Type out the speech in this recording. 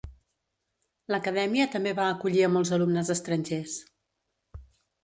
L'acadèmia també va acollir a molts alumnes estrangers.